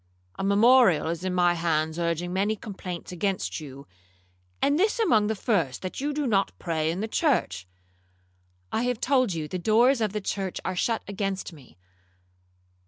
A memorial is in my hands urging many complaints against you, and this among the first, that you do not pray in the church.'—'I have told you the doors of the church are shut against me.